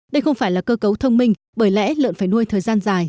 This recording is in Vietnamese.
đây không phải là cơ cấu thông minh bởi lẽ lợn phải nuôi thời gian dài